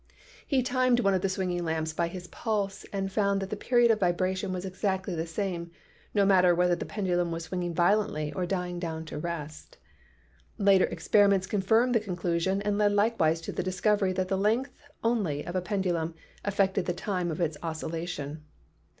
He timed one of the swinging lamps by his pulse and found that the period of vibration was exactly the same, no matter whether the pendulum was swinging violently or dying down to rest. Later experiments confirmed this conclusion and led likewise to the discovery that the length only of a pen dulum affected the time of its oscillation.